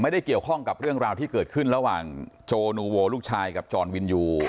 ไม่ได้เกี่ยวข้องกับเรื่องราวที่เกิดขึ้นระหว่างโจนูโวลูกชายกับจรวินยู